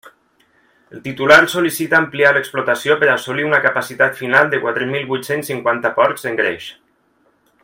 El titular sol·licita ampliar l'explotació per assolir una capacitat final de quatre mil vuit-cents cinquanta porcs d'engreix.